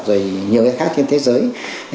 rồi nhiều cái khác trên thế giới